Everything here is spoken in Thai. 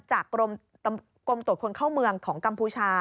จากกรมตรวจคนเข้าเมืองของกัมพูชา